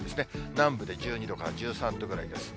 南部で１２度から１３度ぐらいです。